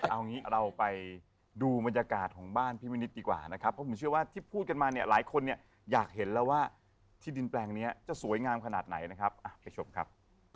เอางี้เราไปดูบรรยากาศของบ้านพี่วินิตดีกว่านะครับเพราะผมเชื่อว่าที่พูดกันมาเนี่ยหลายคนเนี่ยอยากเห็นแล้วว่าที่ดินแปลงนี้จะสวยงามขนาดไหนนะครับไปชมครับ